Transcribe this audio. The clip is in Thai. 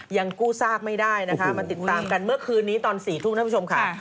ยังกู้ซากไม่ได้นะคะมาติดตามกันเมื่อคืนนี้ตอน๔ทุ่มท่านผู้ชมค่ะ